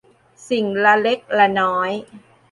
สิ่งละเล็กละน้อย